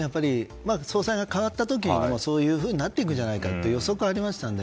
総裁が代わった時にそうなっていくんじゃないかと予測がありましたので。